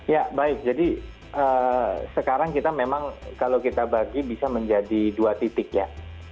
ya baik jadi sekarang kita memang kalau kita bagi bisa menjadi dua titik ya